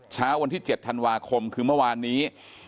เช้าวันที่๗ธันวาคมคือเมื่อวานนี้